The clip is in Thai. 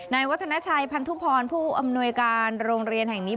วัฒนาชัยพันธุพรผู้อำนวยการโรงเรียนแห่งนี้